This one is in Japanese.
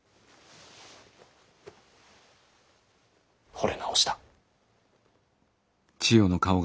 ほれ直した。